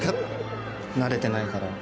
なれてないから。